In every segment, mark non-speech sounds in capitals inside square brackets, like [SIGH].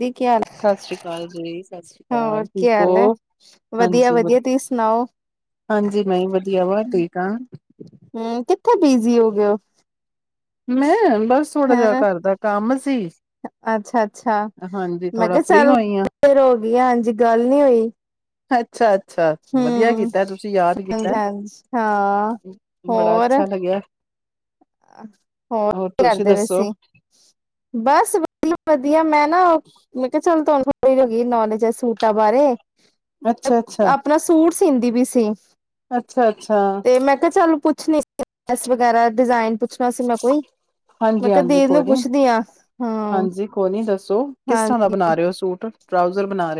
ਦੀ ਕੀ ਹਾਲ ਸਤਿ ਸ੍ਰੀ ਅਕਾਲ ਜੀ ਸਤਿ ਸ੍ਰੀ ਹੋਰ ਅਕਾਲ ਕੀ ਠੀਕ ਹਾਲ ਹੈ ਹੋ, ਵਧੀਆ ਹਾਂਜੀ, ਵਧੀਆ ਤੁਸੀਂ ਸੁਣਾਓ ਹਾਂਜੀ ਵ ਮੈਂ ਵਧੀਆ ਵਾ ਠੀਕ ਹਾਂ। ਹਮ ਕਿੱਥੇ [UNINTELLIGIBLE] ਬਿਜ਼ੀ ਹੋ ਗਏ ਓ? ਮੈਂ। ਬਸ ਥੋੜਾ ਜਿਹਾ ਹੈਂ, ਘਰ ਦਾ ਕੰਮ ਸੀ, ਅੱਛਾ ਅੱਛਾ ਹਾਂਜੀ ਮੈਂ ਥੋੜਾ ਕਿਹਾ ਫ੍ਰਰੀ ਚੱਲ ਹੋਈ ਹਾਂ। ਫਿਰ ਹੋ ਗਈ, ਹਾਂਜੀ ਗੱਲ ਨੀ ਹੋਈ। ਅੱਛਾ ਅੱਛਾ ਵਧੀਆ ਹਮ ਕੀਤਾ ਤੁਸੀਂ ਯਾਦ ਕੀਤਾ, ਹਾਂਜੀ ਹਾਂਜੀ ਹਾਂ ਆ ਬੜਾ ਹੋਰ ਅੱਛਾ ਲੱਗਿਆ। ਹੋਰ ਕੀ ਤੁਸੀਂ ਕਰਦੇ ਦੱਸੋ? ਵੈਸੀ ਬਸ ਵਧੀਆ ਮੈਂ ਨਾ ਮੈਂ ਕਿਹਾ ਚਲ ਤੁਹਾ ਹੋ ਗਈ [UNINTELLIGIBLE] ਨੌਲੇਜ ਸੂਟਾਂ ਬਾਰੇ ਅੱਛਾ, ਅੱਛਾ ਸੀਦੀ [UNINTELLIGIBLE] ਵੀ ਸੀ ਅੱਛਾ, ਅੱਛਾ ਪੁੱਛ ਗੈਸ ਵਗੈਰਾ ਡਿਜ਼ਾਇਨ ਪੁੱਛਣਾ ਸੀ ਮੈਂ ਕੋਈ ਮੈਂ ਹਾਂਜੀ ਹਾਂਜੀ ਕਿਹਾਦੀਰ ਕੋਈ ਨੂੰ ਨੀ ਪੁੱਛਦੀ ਹਾਂ ਹਾਂ ਹਾਂਜੀ ਹਾਂਜੀ ਟਰਊਜ਼ਰ ਬਣਾ ਰਿ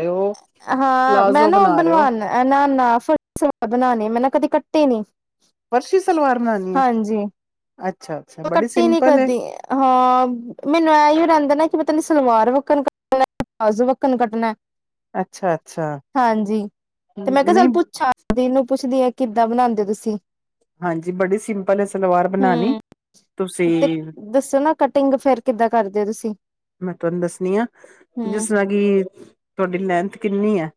ਹਾਂ ਮੈਂ ਨਾ ਉਹ ਹੋ ਬਣਵਾਾਨ ਨਾਲ ਫ ਬਣਾਣੇ ਮੈਂ ਨਾ ਕਦੇ ਕੱਟੇ ਨ ਪਰਸ਼ੀ ਸਲਵਾਰ ਬਣਾਉਣੀ ਹੈ। ਅੱਛ ਕੱਟੀ ਨੀ ਕਰਦੀ ਹਾਂ ਮੈਨੂੰ ਐਹੀ ਰਹਿੰਦਾ ਨਾ ਕਿ ਸਲਵਾਰ ਵੱਕਣ ਕੱਟਣਾ ਪਲਾਜ਼ੋ ਵੱਕਣ ਕੱਟਣਾ ਅੱਛਾ ਅੱਛਾ ਹਾਂਜੀ ਤੇ ਮੈਂ ਕਿਹਾ ਨਹੀਂ ਚੱਲ ਪੁੱਛਾਂ ਦੀਨ ਨੂੰ ਪੁੱਛਦੀ ਆਾਂ ਕਿੱਦਾਂ ਬਣਾਉਂਦੇ ਹੋ ਤੁਸੀਂ। ਹਾਂਜੀ ਬੜੀ ਸਿੰਪਲ ਹੈ। ਸਲਵਾਰ ਬਣਾਉਣੀ ਹੂੰ ਤੁਸੀਂ ਤੇ ਦੱਸੋ ਨਾ ਕਟਿੰਗ ਫੇਰ ਕਿੱਦਾਂ ਕਰਦੇ ਹੋ ਤੁਸੀਂ ਮੈਂ ਤੁਹਾਨੂੰ ਦੱਸਣੀ ਆ ਜਿਸ ਹੂੰ ਤਰ੍ਹਾਂ ਕਿ ਤੁਹਾਡੀ ਲੈਂਥ ਕਿੰਨੀ ਹੈ।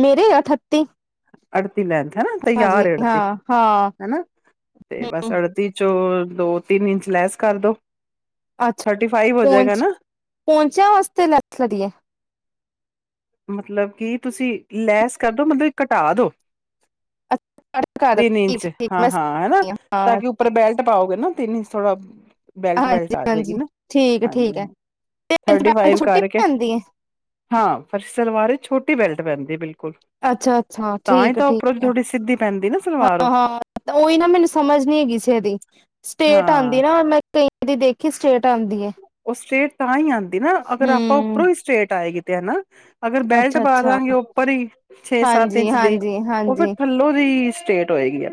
ਮੇਰੇ ਅੱਠੱਤੀ ਅ [INAUDIBLE] ਲੈਂਦੇ ਹਨਾ ਤ ਯਾਰ ੜ ਤੇ ਹਾਂ ਹਨਾ ਤੇ ਬਸ ਹੂੰ ਅੜਦੀ ਚੋਂ ਦੋ ਤਿੰਨ ਇੰਚ ਲੈਸ ਕਰਦੋ ਅੱਛਾ ਪਹੁੰਚ ਪਹੁੰਚਿਆ ਵਾਸਤੇ ਲੈ ਲੜਏ ਮਤਲਬ ਕਿ ਤੁਸੀਂ ਲੈਸ ਕਰਦੋ ਮਤਲਬ ਘਟਾ ਦੋ ਅੱਛਾ ਤਿੰਨ ਠੀਕ ਇੰਚ ਠੀਕ ਹਾਂ ਮੈਂ ਹਾਂ ਹਨਾ ਹਾਂ ਤਾਂ ਕਿ ਉੱਪਰ ਬੈਲਟ ਪਾਓਗੇ ਨਾ ਤਨ ਥੋੜਾ ਬੈਲਟ ਵੈਲਟ ਹਾਂਜੀ ਆ ਜਾਏਗੀ ਹਾਂਜੀ ਨਾ ਠੀਕ ਹੈ। ਹਾਂਜੀ ਠੀਕ ਹਾਂ ਥਰਟੀ ਹੈ ਫਾਈਵ ਛੁੱਟੀ ਪ ਆਦੀ ਹੈ ਪਰ ਸਲਵਾਰ ਛੋਟੀ ਬੈਲਟ ਪੈਂਦੀ ਹੈ। ਬਿਲਕੁਲ ਅੱਛਾ ਅੱਛਾ ਤਾਂ ਹੀ ਠੀਕ ਤਾਂ ਉੱਪਰੋਂ ਠੀਕ ਹੈ। ਥੋੜੀ ਸਿੱਧੀ ਪੈਂਦੀ ਨਾ ਸਲਵਾਰ ਉਹ ਹਾਂ ਹਾਂ ਉਹੀ ਨਾ ਮੈਨੂੰ ਸਮਝ ਨੀ ਹੈ ਕਿਸੇ ਦੀ ਸਟੇਟ ਹਾਂ ਆਉਂਦੀ ਨਾ ਮੈਂ ਕਈ ਦੀ ਦੇਖੀ ਸਟੇਟ ਤਾਂਦੀ ਏ। ਉਹ ਸਟ੍ਰੇਟ ਤਾਂ ਹੀ ਹਨ ਨਾ, ਅਗਰ ਆਪਾਂ ਉੱਪਰੋਂ ਹੀ ਸਟੇਟ ਆਏਗੀ। [UNINTELLIGIBLE] ਅਗਰ ਬੈਲਟ ਅੱਛਾ ਪਾ ਅੱਛਾ ਲਾਂਗੇ ਉੱਪਰ ਹੀ, ਛੇ ਸੱਤ ਹਾਂਜੀ ਇੰਚ ਦੀ ਹਾਂਜੀ ਉਹ ਫਿਰ ਹਾਂਜੀ ਥੱਲੋਂ ਦੀ ਸਟੇਟ ਹੋਏਗੀ ਆ।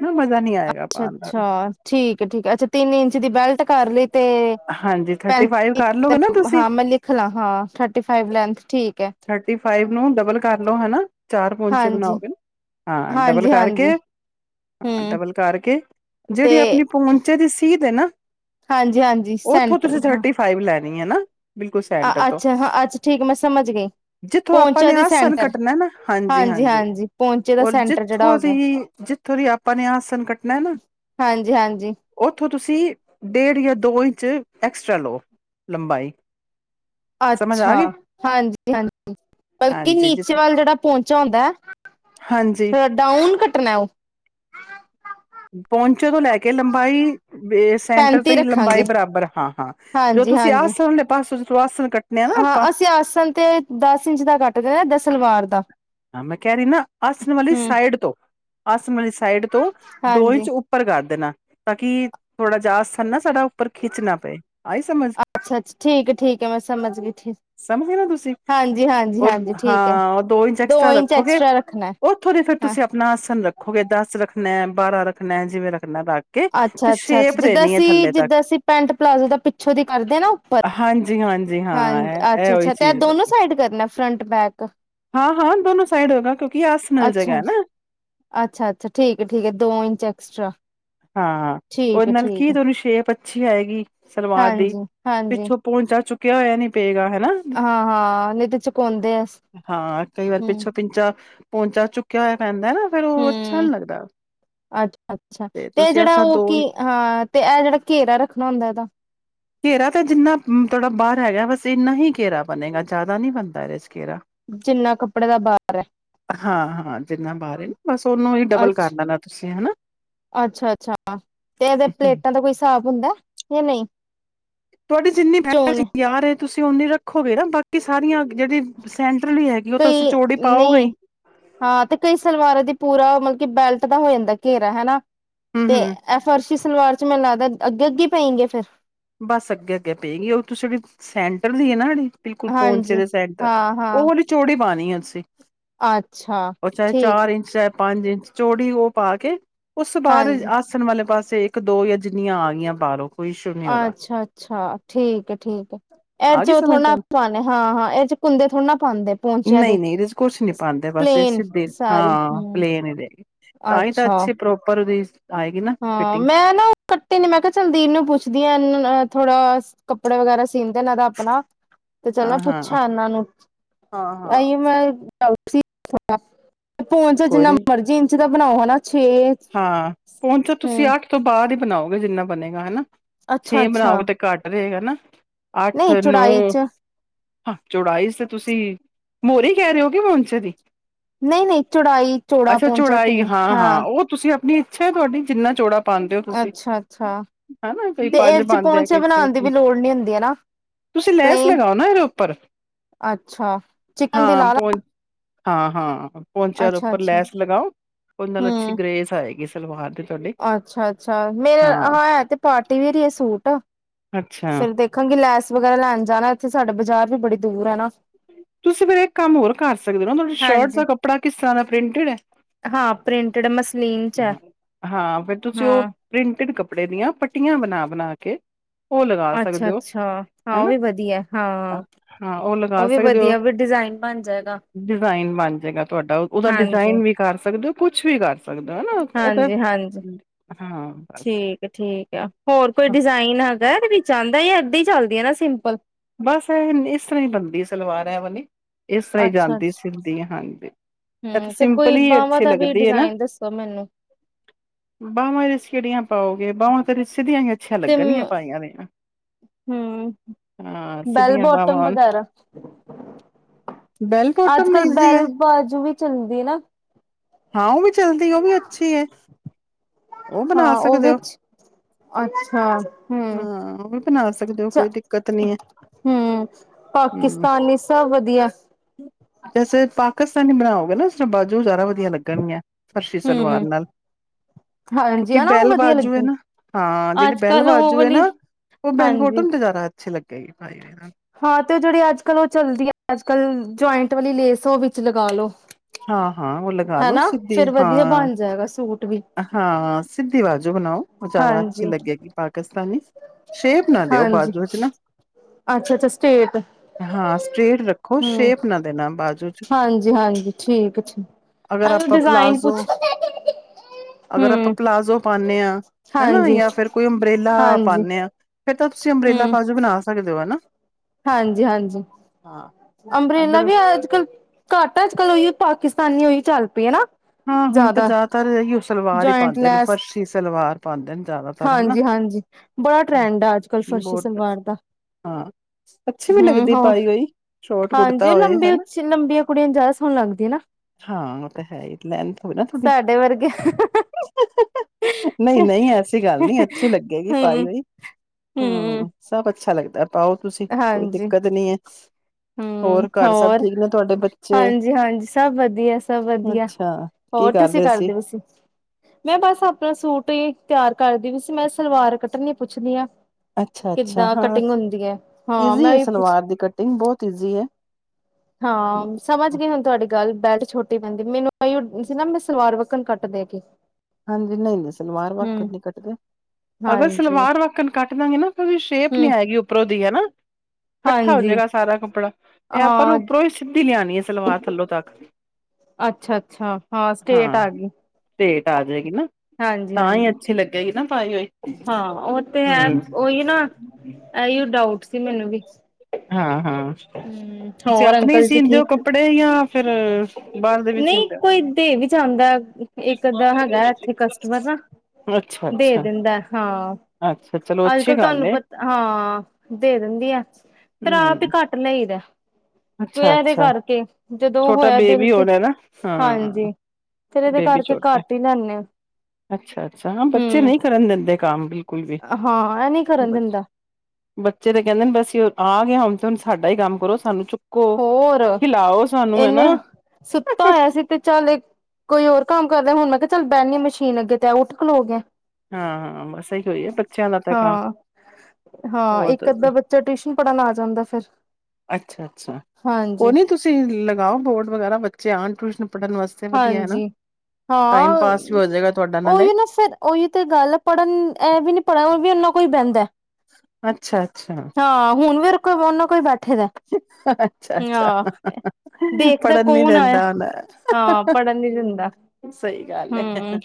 ਅੱਛਾ ਅੱਛਾ ਠੀਕ ਹੈ ਠੀਕ ਹੈ ਅੱਛਾ ਤਿੰਨ ਇੰਚ ਦੀ ਬੈਲਟ ਕਰ ਲਈ ਤੇ ਹਾਂਜੀ ਥਰਟੀ ਫਾਈਵ ਪੈਂਤੀ ਕਰ ਲਓਗੇ ਨਾ ਤੇ- ਤੁਸੀਂ, ਹਾਂ ਮੈਂ ਲਿਖ ਲਾਂ ਹਾਂ ਲੈਂਥ ਠੀਕ ਹੈ ਥਰਟੀ ਫਾਈਵ ਨੂੰ ਡਬਲ ਕਰ ਲੋ ਹਨਾ। ਚਾਰ ਪੌਂਚੇ ਹਾਂਜੀ ਬਣਾਓਗੇ ਨਾ, ਹਾਂ ਡਬਲ ਹਾਂਜੀ ਹਾਂਜੀ ਕਰਕੇ, ਹਾਂ ਹੂੰ ਡਬਲ ਕਰਕੇ ਤੇ ਜਿਹੜੀ ਆਪਣੀ ਪੌਂਚੇ ਦੀ ਸੀ ਕੀ ਤੇ ਨਾ ਹਾਂਜੀ ਹਾਂਜੀ ਸੈਂਟਰ ਹਾਂ। ਨੀ ਏਨਾ। ਬਿਲਕੁਲ ਸੈਂਟਰ ਤੋਂ, ਅੱਛਾ ਹਾਂ ਅੱਛਾ ਠੀਕ ਮੈਂ ਸਮਝ ਗਈ ਜਿੱਥੋਂ ਆਪਾਂ ਪਹੁੰਚਾ ਨੇ ਦੀ ਆਸਣ ਸੈਂਟਰ ਕੱਟਣਾ ਨਾ, ਹਾਂਜੀ ਹਾਂਜੀ-ਹਾਂਜੀ ਹਾਂਜੀ ਪਹੁੰਚੇ ਦਾ ਔਰ ਸੈਂਟਰ ਜਿਹੜਾ ਜਿੱਥੋਂ ਹੋ ਗਿਆ ਅੱਸੀ ਜਿੱਥੋਂ ਦੀ ਆਪਾਂ ਨੇ ਆਸਣ ਕੱਟਣਾ ਨਾ ਹਾਂਜੀ ਹਾਂਜੀ ਉੱਥੋਂ ਤੁਸੀਂ ਡੇਢ ਯਾ ਦੋ ਇੰਚ ਐਕਸਟ੍ਰਰਾ ਲਓ ਲੰਬਾਈ। ਸਮਝ ਆ ਅੱਛਾ ਗਈ ਹਾਂਜੀ-ਹਾਂਜੀ ਬਲਕਿ ਹਾਂਜੀ ਨੀਚੇ ਜਿੱਥੋਂ ਵੱਲ ਜਿਹੜਾ ਪਹੁੰਚਾ ਹੁੰਂਦਾ ਹਾਂਜੀ ਹੈ [UNINTELLIGIBLE] ਡਾਊਨ ਕਟਣਾ ਉਹ ਪਹੁੰਚ [UNINTELLIGIBLE] ਲੈ ਕੇ ਲੰਬਾਈ ਬੇ-ਸੈਂਟਰ ਤੇ ਪੈਂਤੀ ਹੀ ਲੰਬਾਈ ਰੱਖਾਂਗੇ ਬਰਾਬਰ ਹਾਂ-ਹਾਂ ਜੋ ਹਾਂਜੀ ਤੁਸੀਂ ਹਾਂਜੀ ਆਸਣ ਵਾਲੇ ਪਾਸੇ ਚ ਆਸਣ ਕੱਟਣੇ ਨਾ ਹਾਂ ਆਪਾਂ। ਅਸੀਂ ਆਸਨ ਤੇ ਦਸ ਇੰਚ ਦਾ ਕੱਟ ਦੇਣਾ ਦ ਸਲਵਾਰ ਦਾ ਹਾਂ ਮੈਂ ਕਹਿ ਰਹੀ ਨਾ ਆਸਣ ਵਾਲੀ ਹਮ ਸਾਈਡ ਤੋਂ, ਆਸਣ ਵਾਲੀ ਸਾਈਡ ਤੋਂ, ਦੋ ਹਾਂਜੀ ਇੰਚ ਉੱਪਰ ਕਰ ਦੇਣਾ। ਤਾਂਕਿ ਥੋੜਾ ਜਿਹਾ ਆਸਾਨ ਨਾ ਸਾਡਾ ਉੱਪਰ ਖਿੱਚ ਣਾ ਪਏ। ਆਈ ਸਮਝ ਅੱਛਾ ਅੱਛਾ ਠੀਕ ਹੈ ਠੀਕ ਹੈ ਮੈਂ ਸਮਝ ਗਈ ਠੀ ਸਮਝੇ ਨਾ ਤੁਸੀਂ ਹਾਂਜੀ ਹਾਂਜੀ ਉਹ ਹਾਂਜੀ ਠੀਕ ਹੈ, ਹਾਂ ਉਹ ਦੋ [UNINTELLIGIBLE] ਇੰਚ ਰੱਖੋਗੇ, ਐਕਸਟਰਾ ਰੱਖਣਾ ਉਥੋ ਦੀ ਫਿਰ ਹਾਂ ਤੁਸੀਂ ਆਪਣਾ ਆਸਣ ਰੱਖੋਗੇ ਦੱਸ ਰੱਖ ਰੱਖਣਾ ਬਾਹਾਰਾ ਰੱਖਣਾ ਜਿਵੇਂ ਰੱਖ ਰੱਖਣਾ ਕੇ ਤੇ ਅੱਛਾ-ਅੱਛਾ ਸ਼ੇਪ ਜਿੱਦਾਂ ਦੇਣੀ ਹੈ ਅਸੀਂ ਥੱਲੇ ਤੱਕ ਜਿਦਾਂ ਅਸੀਂ ਪੈਂਟ ਪਲਾਜੋ ਦਾ ਪਿੱਛੋਂ ਦੀ ਕਰਦੇ ਹਾਂ ਨਾ ਉੱਪਰ ਹਾਂਜੀ ਹਾਂਜੀ ਹਾਂ ਹਾਂਣ ਇਹ ਅੱਛਾ ਇਹੀ ਅੱਛਾ ਤੇ ਇਹ ਚੀਜ਼ ਦੋਨੋ ਬਣੀ ਸਾਈਡ ਕਰਨਾ ਫਰੰਟ ਬੈਕ। ਹਾਂ ਹਾਂ ਦੋਨੋ ਸਾਈਡ ਹੋਏਗਾ ਕਿਊ ਅੱਛਾ, ਅੱਛਾ ਅੱਛਾ ਠੀਕ ਹੈ ਠੀਕ ਹੈ ਦੋ ਇੰਚ ਐਕਸਟਰਾ। ਹਾਂ ਉਹ ਠੀਕ ਹੈ-ਠੀਕ ਨਲਕੀ ਹੈ ਤੋਵੀ ਸ਼ੇਪ ਅੱਛੀ ਆਏਗੀ ਸਲਵਾਰ ਦੀ ਹਾਂਜੀ-ਹਾਂਜੀ ਪਿੱਛੋਂ ਪੌਂਚਾਂ ਚੁੱਕਿਆ ਹੋਇਆ ਨੀ ਪਏਗਾ ਹਨਾ, ਹਾਂ-ਹਾਂ ਨਹੀਂ ਤੇ ਚੁਕਾਉਂਦੇ ਆ ਹਾਂ ਕਈ ਵਾਰ ਹੂੰ-ਹੂੰ ਪਿੱਛੋਂ ਪਿੰਚਾ ਪੌਂਚਾਂ ਚੁੱਕਿਆ ਹੋਇਆ ਪੈਣ ਨਾ ਫੇਿਰ ਔ ਅੱਛਾ ਨੀ ਲੱਗਦਾ। ਅੱਛਾ-ਅੱਛਾ ਤੇ ਇਹ ਤੁਸੀਂ ਇਸ ਜਿਹੜਾ ਤਰ੍ਹਾਂ ਉਹ ਦੋ ਕੀ ਹਾਂ ਤੇ ਇਹ ਜਿਹੜਾ ਘੇਰਾ ਰੱਖਣਾ ਹੁੰਦਾ ਇਹਦਾ। ਘੇਰਾ ਤਾਂ ਜਿੰਨਾ ਤੁਹਾਡਾ ਬਾਹ ਹੈਗਾ ਬਸ ਇੰਨਾ ਹੀ ਘੇਰਾ ਬਣੇਗਾ ਜ਼ਿਆਦਾ ਨੀ ਬਣਦਾ ਇਹਦੇ ਚ। ਘੇਰਾ ਜਿੰਨਾ ਕੱਪੜੇ ਦਾ ਬਾਰ ਹੈ, ਹਾਂ ਹਾਂ ਜਿੰਨਾ ਬਾਹਰ ਹੈ ਨਾ ਬਸ ਉਹਨੂੰ ਹੀ ਡਬਲ ਅੱਛ, ਕਰ ਲੈਣਾ ਤੁਸੀਂ ਹਨਾ ਅੱਛਾ-ਅੱਛਾ ਤੇ ਇਦੇ ਪਲੇਟਾਂ ਦਾ ਕੋਈ ਹਿਸਾਬ ਹੁੰਦਾ ਜਾਂ ਨਹੀਂ? ਤੁਹਾਡੀੇ ਜਿੰਨੀ ਭੈਣ ਚੋਣ [UNINTELLIGIBLE] ਯਾਰ ਏ। ਤੁਸੀਂ ਔਨੀੇ ਰੱਖੋਗੇ ਨਾ ਬਾਕੀ ਸਾਰੀਆਂ ਜਿਹੜੀ ਸੇ ਕਈ, ਨਹੀਂ, ਹਾਂ ਤੇ ਕਈ ਸਲਵਾਰਾਂ ਦੀ ਪੂਰਾ ਮਤਲਬ ਕਿ ਬੈਲਟ ਦਾ ਹੋ ਜਾਂਦਾ ਘੇਰਾ ਹੈਨਾ। ਹੂੰ ਤੇ ਹੂੰ ਐ ਫਰਸ਼ ਸਲਵਾਰ ਚ ਮੈਂਨੂ ਲਗਦਾ ਅੱਗੇ ਅੱਗੇ ਪਏਗੇ ਫੇਰ? ਬਸ ਅੱਗੇ ਅੱਗੇ ਪਏਗੀ ਓ ਤੁਸੀ ਜਿਹੜੀ ਸੈਂਟਰ ਦੀ ਹੈ ਨਾ ਜਿਹੜੀ ਬਿਲਕੁਲ ਪੌਂਚੇ ਹਾਂਜੀ। ਦੇ ਸੈਂਟਰ ਓ ਹਾਂ-ਹਾਂ ਆਲੀ ਚੋੜੀ ਬ ਨਹੀਂ ਅੱਸੀਂ ਅੱਛਾ, ਠੀਕ। ਇੰਚ ਚਾਹੇ ਪੰਜ ਇੰਚ ਚੋੜੀ ਓ ਪਾ ਕੇ ਓਸ ਤੋਂ ਬਾਦ ਚ ਹਾਂਜੀ ਆਸਨ ਵਾਲੇ ਪਾਸੇ ਇੱਕ-ਦੋ ਜਾਂ ਜਿੰਨੀਆਂ ਆ ਗਈਆਂ ਪਾਲੋ ਕੋਈ ਈ ਅੱਛਾ-ਅੱਛਾ, ਠੀਕ ਐ, ਠੀਕ ਐ। ਇਰਦੇ ਆ ਗਈ ਚ ਓ ਥੋੜ ਸਮਝ ਨਾ ਤੁਹਾਨੂੰ ਪਾਨਾ ਐ, ਹਾਂ-ਹਾਂ ਇਹਦੇ ਚ ਕੁੰਦੇ ਥੋੜ੍ਹੇ ਨਾ ਪਾਂਦੇ ਪੌਂਚੇਆ ਦੇ, ਨਹੀਂ ਨਹੀਂ ਇਹਦੇ ਚ ਕੁਛ ਨੀ ਪਾਉਂਦੇ ਬਸ ਇਹ ਪਲੇਨ ਸਿੱਧੇ ਸਾਰੀ ਹਾਂ ਹੁੰ, ਪਲੇਨ ਹੀ ਰਹੇਗੀ ਤਾਂ ਹੀ ਤਾਂ ਅੱਛਾ। ਅੱਛੀ ਪ੍ਰੋਪਰ ਉਹਦੀ ਆਏਗੀ ਨਾ ਹਾਂ ਫਿਟਿੰਗ ਮੈਂ ਨਾ ਓ ਕੱਟੇ ਨੇ, ਮੈਂ ਕਿਹਾ ਚਲ ਦੀ ਨੂੰ ਪੁੱਛਦੀ ਹਾਂ ਇਹਨਾਂ ਅ ਥੋੜਾ ਕੱਪੜੇ ਵਗੈਰਾ ਸੀਦੇਂ ਨੇ ਦਾ ਆਪਨਾ ਤੇ ਚਲ ਹਾਂ ਮੈਂ ਹਾਂ ਪੁੱਛਾਂ ਇਹਨਾਂ ਨੂੰ ਹਾਂ ਹਾਂ ਏਈਓ ਮੈਂ। [UNINTELLIGIBLE] ਤੇ ਪੌਂਚ ਕੋਈ ਜਿੰਨਾ ਨੀ ਮਰਜੀ ਇੰਚ ਚ ਦਾ ਬਨਾਓ ਹੈਨਾ? ਹਾਂ, ਪੌਂਚ ਤੁਸੀਂ ਅੱਠ ਤੋਂ ਬਾਅ [UNINTELLIGIBLE] ਹੀ ਬਣਾਓਗੇ ਜਿੰਨਾ ਬਣੇਗਾ ਹੈਨਾ? ਛੇ ਅੱਛਾ-ਅੱਛਾ ਬਨਾਓਗੇ ਤੇ ਘੱਟ ਰਹੇਗਾ। ਨਾ ਨਹੀਂ ਚੌੜਾਈ ਚ ਆ। ਚੌੜਾਈ ਚ ਤੇ ਤੁਸੀਂ ਮੋਰੀ ਕਹਿ ਰਹੇ ਹੋ ਕਿ ਪੌਂਚੇ ਦੀ? ਨਹੀਂ-ਨਹੀਂ ਚੌੜਾਈ, ਚੌੜਾ ਪੌਂਚਾਂ ਕਿੰਨਾ ਹਾਂ। ਆਪਨੀ ਇੱਛਾ ਹੈ ਤੁਹਾਡੀ ਜਿੰਨਾ ਚੌੜਾ ਪਾਉਂਦੇ ਹੋ ਤੁਸੀਂ ਅੱਛਾ-ਅੱਛਾ ਹਨਾ ਕੋਈ ਤੇ ਪੰਜ ਇਹਦੇ ਚ ਪਾਉਂਦੇ ਆ ਪੌਂਚੇ ਕੋਈ ਛੇ ਬਨਾਨ ਦੀ ਵੀ ਲੋੜ ਨੀ ਹੁੰਦੀ ਹੈ ਨਾ ਤੁਸੀਂ ਲੈਸ ਪਲੇਨ, ਲਗਾਓ ਨਾ ਇਹਦੇ ਉੱਪਰ ਅੱਛਾ ਚਿਕਨ ਦੀ ਹਾਂ ਲਾਲਾ ਪਹੁੰਚ ਹਾਂ-ਹਾਂ। ਪੌਂਚੇਆ ਦੇ ਉੱਪਰ ਲੈਸ ਲਗਾਓ, ਉਹਦੇ ਨਾਲ ਅੱਛੀ ਹਮ ਗ੍ਰੇਸ ਆਏਗੀ ਸਲਵਾਰ ਦੀ ਤੁਹਾਡੀ ਅੱਛਾ- ਅੱਛਾ ਮੇਰਾ ਆ ਹਾਂ ਹੈ ਤੇ ਪਾਰਟੀ ਵੀਯਆ ਸੂਟ ਅੱਛਾ ਫੇਰ ਦੇਖਾਂਗੇ ਲੈਸ ਵਗੈਰਾ ਲੈਣ ਜਾਣਾ ਇੱਥੇ ਸਾਡੇ ਬਾਜ਼ਾਰ ਵੀ ਬੜੀ ਦੂਰ ਹੈ ਨਾ ਤੁਸੀਂ ਫੇ ਇੱਕ ਕੰਮ ਹੋਰ ਕਰ ਸਕਦੇ ਨਾ ਤੁ ਸ਼ਰਟ ਦਾ ਹਾਂਜੀ ਕੱਪੜਾ ਕਿਸ ਤਰ੍ਹਾਂ ਦਾ ਪ੍ਰਿੰਟ ਹੈ। ਹਾਂ ਪ੍ਰਿੰਟਡ ਮਸਲੀਨ ਚ ਹੈ ਹਾਂ, ਫੇਰ ਤੁਸੀਂ ਉਹ ਹਾਂ ਪ੍ਰਿੰਟ ਕੱਪੜੇ ਦੀ ਪੱਟੀਆਂ ਬਣਾ -ਬਣਾ ਓਕੇ। ਅੱਛਾ -ਅੱਛਾ ਹਾਂ ਉਹ ਵੀ ਵਧੀਆ ਹਾਂ, ਉਹ ਵੀ ਵਧੀਆ ਵੀ ਡਿਜ਼ਾਇਨ ਬਣ ਜਾਏਗਾ ਡਿਜਾਇਨ ਬਣ ਜਾੲਏਗਾ ਤੁਹਾਡਾ ਉਹਦਾ ਹਾਂਜੀ ਡਿਜਾਇਨ ਵੀ ਕਰ ਸਕਦੇ ਹੋ ਕੁੱਛ ਵੀ ਕਰ ਸਕਦੇ ਹੋ ਹਨਾ ਇਹ ਤਾਂ ਹਾਂਜੀ -ਹਾਂਜੀ, ਹਾਂ ਬਸ ਠੀਕ- ਠੀਕ ਆ ਹੋਰ ਕੋਈ ਡਿਜ਼ਾਇਨ ਹੈਗਾ ਇਹਦੇ ਵਿੱਚ ਆ ਇਦਾਂ ਇਏਦਾਂ ਹੀ ਚੱਲਦੀਆਂ ਨਾ ਸਿੰਪਲ। ਬਸ ਇਹ ਇਸ ਤਰ੍ਹਾਂ ਹੀ ਬਣਦੀ ਸਲਵਾਰ ਐ ਵੀ। ਇਸ ਤਰ੍ਹਾਂ ਅੱਛਾ ਜਾਂਦੀ ਅੱਛਾ ਸੀਦੀ। ਹਾਂਜੀ, ਇਹ ਤਾਂ ਹਮ ਤੇ ਕੋਈ ਸਿੰਪਲ ਹੀ ਬਾਹਵਾਂ ਅੱਛੀ ਦਾ ਵੀ ਲੱਗਦੀ ਹੈ ਨਾ, ਡਿਜ਼ਾਇਨ ਦੱਸੋ ਮੈਨੂੰ ਬਾਹਵਾਂ ਕਿਹੜੀਆਂ ਪਾਓਗੇ ਬਾਹਵਾਂ ਆਂ ਸੀਦੀਆਂ ਵੀ ਤੇ ਹਮ ਹਾਂ ਬੈਲ ਸਿੱਧੀਆਂ ਬਾਹਵਾਂ ਬੋਟਮ ਹੋਣ ਵਗੈਰਾ, ਬੈਲ ਅੱਜ ਬੋਟਮ ਕੱਲ੍ਹ ਈਜ਼ੀ ਹੈ ਬੈਲ ਬਾਜ਼ੂ ਵੀ ਚੱਲਦੀ ਨਾ। ਹਾਂ, ਉਹ ਵੀ ਚੱਲਦੀ ਉਹ ਵੀ ਅੱਛੀ ਹੈ। ਉਹ ਬਣਾ ਹਾਂ ਉਹ ਸਕਦੇ ਹੋ ਵਿੱਚ ਅੱਛਾ। ਹਮ ਹਾਂ ਉਹ ਵੀ ਬਣਾ ਸਕਦੇ ਹੋ ਚ ਕੋਈ ਦਿੱਕਤ ਨੀ ਹੈ ਹਮ ਹਮ ਪਾਕਿਸਤਾਨੀ ਸਭ ਵਧੀਆ ਜੈਸੇ ਪਾਕਿਸਤੀ ਬਣਾਓਗੇ ਨਾ ਉਸ ਬਾਜੂ ਜ਼ਾਰਦਾ ਵਧੀਆ ਲੱਗਣਗੀਆਂ। ਸਤਿ ਸ੍ ਸਲਵਾਰ ਹਮ ਨਾਲ ਹਾਂਜੀ ਕਿਉਂਕਿ ਹਨਾ ਉਹ ਬੈਲ ਵਧੀਆ ਬਾਜੂ ਹੈ ਲੱਗੀ ਨਾ। ਹਾਂ, ਜਿਹੜੀ ਅੱਜ ਬੈਲ ਕੱਲ ਉਹ ਬਾਜੂ ਹੈ ਵਾਲੀ ਨਾ, ਉਹ ਬੈਲ ਫੋਟੋ ਹਾਂਜੀ ਨੂੰ ਤੇ ਜ਼ਿਆਦਾ ਛਿਲਕ ਹਾਂ, ਤੇ ਉਹ ਜਿਹੜੀ ਅੱਜ -ਕੱਲ੍ਹ ਉਹ ਚੱਲਦੀ ਆ। ਕੱਲ ਜੁਆਇੰਟ ਵਾਲੀ ਲੇਸ ਹੋ ਵਿੱਚ ਲਗਾ ਲੋ। ਹਾਂ- ਹਾਂ ਉਹ ਲਗਾ ਲਓ ਹਨਾ ਸਿੱਧੀ ਫੇਰ ਵਧੀਆ ਹਾਂ ਬਣ ਜਾਏਗਾ ਸੂਟ ਵੀ -ਹਾਂ ਸਿੱਧੀ ਬਾਜੋ ਬਣਾਓ। ਜ਼ਿਆਦਾ ਅੱਛੀ ਹਾਂਜੀ ਲੱਗੇਗੀ ਪਾਕਿਸਤਾਨ ਸ਼ੇਪ ਨਾ ਦਿਓ ਹਾਂਜੀ ਬਾਜੂ ਚ ਨਾ। ਅੱਛਾ ਅੱਛਾ ਸਟੇਟ ਹਾਂ, ਸਟੇਟ ਰੱਖੋ ਹਮ ਸ਼ੇਪ ਨਾ ਦੇਣਾ ਬਾਜੂ ਚ ਹਾਂਜੀ- ਹਾਂਜੀ, ਠੀਕ ਹੈ ਠੀਕ ਅਗਰ ਅ ਆਪਾਂ ਡਿਜ਼ਾਇਨ ਪਲਾਜ਼ੋ, ਪੁੱਛ ਅਗਰ ਆਪਾਂ ਹਮ ਪਲਾਜ਼ੋ ਪਾਦੇ ਹਾਂ। ਹਨਾ ਹਾਂਜੀ ਜਾਂ ਫੇਿਰ ਕੋਈ ਅੰਬਰੇਲਾ ਹਾਂਜੀ ਪਾਉਦੇ ਹਾਂ। ਫੇਰ ਤਾਂ ਤੁਸੀਂ ਅੰਬਰੇਲਾ ਹਮ ਬਾਜੂ ਬਣਾ ਸਕਦੇ ਹੋ ਹਨਾ। ਹਾਂਜੀ ਹਾਂਜੀ ਹਾਂ ਅੰਬਰੇਲਾ ਅਦਰ ਵੀ ਅੱਜ ਕਲ ਘੱਟ ਆ [UNINTELLIGIBLE] ਕੱਲ ਉਈ ਪਾਕਿਸਤਾਨੀ ਉਹੀ ਚੱਲ ਪਈ ਹੈ ਨਾ ਹਾਂ ਹੁਣ ਤਾਂ ਜ਼ਿਆਦਾ ਜ਼ਿਆਦਾਤਰ ਰਹੀ ਸਲਵਾਰ ਹੀ ਜੁਆਇੰਟ ਪਾਉਂਦੇ ਲੈਸ ਫਰਸ਼ੀ ਸਲ ਸਵਾਰ ਹਾਂਜੀ ਹਾਂਜੀ ਬੜਾ ਟਰੈਂਡ ਆ ਅੱਜ ਕੱਲ ਫਰਸ਼ ਬਹੁਤ ਸਲਵਾਰ ਦਾ ਹਾਂ ਅੱਛੀ ਵੀ ਹਮ ਲੱਗਦੀ ਹੋਰ ਪਾਈ ਹੋਈ ਸ਼ੋਟ ਹਾਂਜੀ ਕੁੜਤਾ ਉਹ ਹੋਏ ਲੰਬੇ ਉ ਹਨਾ। ਲੰਬੀਆਂ ਕੁੜੀਆਂ ਨੂੰ ਜ਼ਿਆਦਾ ਸੋਹਣ ਲੱਗਦੀਆਂ ਨਾ ਹਾਂ ਉਹ ਤਾਂ ਹੈ ਹੀ ਲੈਂਥ ਹੋਵੇ ਨਾ ਤੁਥਹਾਡੀ ਸਾਡੇ ਵਰਗੇ [UNINTELLIGIBLE] ਨਹੀਂ ਨਹੀਂ ਐਸੀ ਗੱਲ ਨਹੀਂ ਅੱਛੀ ਲੱਗੇਗੀ ਪਾਈ ਹੂੰ ਹੋਈ ਹੂੰ ਹਮ ਸਭ ਅੱਛਾ [UNINTELLIGIBLE] ਲੱਗਦਾ ਪਾਓ ਤੁਸੀਂ ਕੋਈ ਦਿੱਕਤ ਨੀ ਹੈ ਹਮ ਘਰ ਸਭ ਹੋਰ ਠੀਕ ਨੇ ਤੁਹਾਡੇ ਬੱਚੇ ਹਾਂਜੀ ਹਾਂਜੀ ਸਭ ਵਧੀਆ ਸਭ ਵਧੀਆ ਅੱਛਾ ਕੀ ਹੋਰ ਤੁਸੀਂ ਕਰਦੇ ਸੀ ਕਰਦੇਸੀ ਮੈਂ ਬਸ ਆਪਣਾ ਸੂਟ ਹੀ ਤਿਆਰ ਕਰਦੀ ਵੀ ਸੀ ਮੈਂ ਸਲਵਾਰ ਕੱਟਣੀ ਪੁੱਛਦੀ ਹਾਂ ਅੱਛਾ ਅੱਛਾ ਕਿੱਦਾਂ ਹਾਂ ਕਟਿੰਗ ਹੁੰਦੀ ਹੈ ਹਾਂ ਈਜ਼ੀ ਮੈਂ ਹੈ ਵੀ ਪੁੱਛ ਸਲਵਾਰ ਦੀ ਕਟਿੰਗ ਬਹੁਤ ਤ ਈਜ਼ੀ ਹੈ ਹਾਂ ਸਮਝ ਗਈ ਹੁਣ ਤੁਹਾਡੀ ਗੱਲ ਬੈਲ ਛੋਟੀ ਬੰਦੀ ਮੈਨੂੰ ਆਹੀਓ ਸੀ ਨਾ ਮੈਂ ਸਲਵਾਰ ਵੱਕਣ ਕੱਟ ਦੇ ਕੇ ਹਾਂਜੀ ਨਹੀਂ ਨਹੀਂ ਸਲਵਾਰ ਵਾਕਣ ਹੂੰ ਨਹੀਂ ਕੱਟਦੇ ਅਗਰ ਹਾਂਜੀ ਸਲਵਾਰ ਵਾਕਣ ਕੱਟ ਦਾਂਗੇ ਨਾ ਉਹਦੀ ਸ਼ੇਪੀ ਹੂੰ ਹੈਗੀ ਉਪਰੋਂ ਦੀ ਹਨਾ ਇਕੱਠਾ ਹਾਂਜੀ ਹੋਜਏਗਾ ਸਾਰਾ ਕੱਪੜਾ ਇਹ ਆਪਾਂ ਨੂੰ ਹਾਂ ਉੱਪਰੋਂ ਹੀ ਸਿੱਧੀ ਲਿਆਉਣੀ ਹੈ ਸਲਵਾਰ ਥੱਲੋਂ ਤੱਕ ਅੱਛਾ ਅੱਛਾ ਹਾਂ ਸਟੇਟ ਆ ਗ਼ੀ [UNINTELLIGIBLE] ਆ ਜਾਏਗੀ ਨਾ ਤਾਂ ਹੀ ਅੱਛੀ ਲੱਗੇਗੀ ਨਾ ਪਾਈ ਹੋਈ ਹਾਂ ਉਹ ਤੇ ਹੈ ਹਮ ਉਹੀ ਨਾ ਇਹੀਓ ਡਾਊਟ ਸੀ ਮੈਨੂੰ ਵੀ [INAUDIBLE] ਹਾਂ ਹਾਂ ਹਮ ਤੁਸੀਂ ਹੋਰ ਆਪਣੇ ਹੀ ਅੰਕਲ ਜੀ ਸੀਂਦੇ ਹੋ ਠੀਕ ਕੱਪੜੇ ਯਾਂ ਨਹੀਂ ਕੋਈ ਦੇ ਵੀ ਜਾਂਦਾ ਇੱਕ ਅੱਧਾਂ ਹੈਗਾ ਇੱਥੇ ਕਸਟਮਰ ਨਾ ਅੱਛਾ ਦੇ ਅੱਛਾ ਦਿੰਦਾ ਹਾਂ ਅੱਛਾ ਚਲੋ ਅੱਜ ਅੱਛੀ ਕੱਲ ਗੱਲ ਤੁਹਾਨੂੰ ਏ ਪਤਾ ਹਾਂ ਦੇ ਦਿੰਦੀ ਆ ਫਿਰ ਆਪ ਵੀ ਹਮ ਘੱਟ ਨਹੀਂ [UNINTELLIGIBLE] ਕੁਆ ਤੇ ਕਰਕੇ ਜਦੋਂ ਉਹ ਹੋਇਆ ਦਿਲ ਤੇ ਣਾ ਨਾ ਹਾਂ ਹਾਂਜੀ ਫਿਰ ਇਹਦੇ ਬੇਬੀ ਕਰਕੇ ਛੋਟਾ ਘੱਟ ਹੀ ਲੈਂਦੇ ਹਾਂ ਅੱਛਾ ਅੱਛਾ ਹਾਂ ਬੱਚੇ ਹਮ ਨਹੀਂ ਕਰਨ ਦਿੰਦੇ ਕੰਮ ਬਿਲਕੁਲ ਵੀ ਹਾਂ ਇਹ ਨੀ ਕਰਨ ਦਿੰਦਾ ਬੱਚੇ ਤੇ ਕਹਿੰਦੇ ਬਸ ਆ ਹੁਣ ਤੇ ਹੁਣ ਸਾਡਾ ਹੀ ਕੰਮ ਕਰੋ ਸਾਨੂੰੁ ਕੋ ਹਿਲਾਓ ਇਨੇ ਸੁੱਤਾ ਹੋਇਆ ਸੀ ਤੇ ਚੱਲ ਕੋਈ ਹੋਰ ਕੰਮ ਕਰਦੇ ਹੁਣ ਮੈਂ ਕਿਹਾ ਚੱਲ ਬਹਿਿੰਦੀ ਆ ਮਸ਼ੀਨ ਅੱਗੇ ਤੇ ਉਹ ਉੱਠ ਖਲੋ ਗਿਆ ਹਾਂ ਬਸ ਇਹੀ ਹੋਈ ਹੈ ਬੱਚਿਆਂ ਦਾ ਤਾਂ ਕੰਮ ਹਾਂ ਹਾਂ ਹੋਰ ਇੱਕ ਅੱਧਾ ਬੱਚਾ ਟਿਊਸ਼ਨ ਪੜ੍ਹਨ ਆ ਜਾਂਦਾ ਫਿਰ ਅੱਛਾ ਅੱਛਾ ਕੋ ਹਾਂਜੀ ਨੀ ਤੁਸੀਂ ਲਗਾਓ ਬੋਰਡ ਵਗੈਰਾ [UNINTELLIGIBLE] ਵਧੀਆ ਹੈ ਨਾ ਹਾਂਜੀ ਹਾਂ ਟਾਈਮ ਪਾਸ ਵੀ ਹੋ ਜਾਏਗਾ ਤੁਹਾਡਾ ਨਾਲੇ ਉਹੀ ਨਾ ਫਿਰ ਉਹੀ ਤੇ ਗੱਲ ਪੜ੍ਹਨ ਇਹ ਵੀ ਨੀ ਪੜ੍ਹਿਆ ਵੀ ਓਨਾ ਕੋਈ ਬਹਿੰਦਾ ਅੱਛਾ-ਅੱਛਾ ਹਾਂ ਹੁਣ ਵੀ [UNINTELLIGIBLE] ਅੱਛਾ ਅੱਛਾ ਹਾਂ ਦੇਖਦਾ ਪੜ੍ਹਨ ਨੀ ਕੌਣ ਆਇਆ ਦਿੰਦਾ ਉਹਨ ਹਾਂ ਪੜ੍ਹਨ ਨੀ ਦਿੰਦਾ ਸਹੀ ਗੱਲ ਹਮ ਹੈ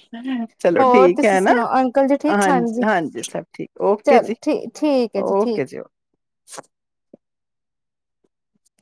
ਚਲੋ ਹੋਰ ਠੀਕ ਹੈ ਤੁਸੀਂ ਨਾ ਸੁਣਾਓ ਅੰਕਲ ਜੀ ਠੀਕ ਹਾਂਜੀ ਹਾਂਜੀ ਸਭ ਠੀਕ ਓਕੇ ਚਲ ਜੀ ਠੀਕ ਠੀਕ ਹੈ ਠੀਕ ਓਕੇ ਜੀ ਓਕੇ